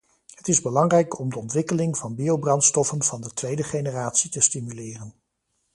Het is belangrijk om de ontwikkeling van biobrandstoffen van de tweede generatie te stimuleren.